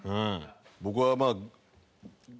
僕はまあ。